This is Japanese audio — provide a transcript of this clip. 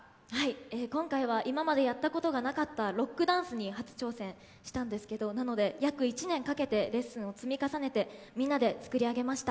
今回は今までやったことがなかったロックダンスに初挑戦したんですけど、なので約１年かけてレッスンを積み重ねてみんなで作り上げました。